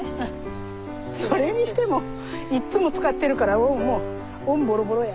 それにしてもいっつも使ってるからもうオンボロボロや。